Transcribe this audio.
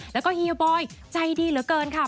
แล้วก็เฮียบอยใจดีเหลือเกินค่ะ